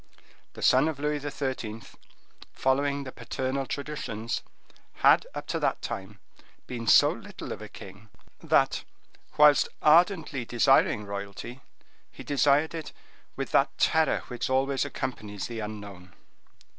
The son of Louis XIII., following the paternal traditions, had, up to that time, been so little of a king that, whilst ardently desiring royalty, he desired it with that terror which always accompanies the unknown.